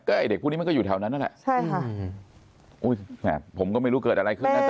ไอ้เด็กพวกนี้มันก็อยู่แถวนั้นนั่นแหละใช่ค่ะอุ้ยแม่ผมก็ไม่รู้เกิดอะไรขึ้นนะ